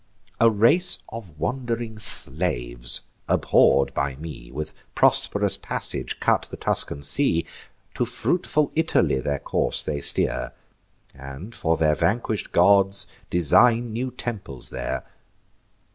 A race of wand'ring slaves, abhorr'd by me, With prosp'rous passage cut the Tuscan sea; To fruitful Italy their course they steer, And for their vanquish'd gods design new temples there.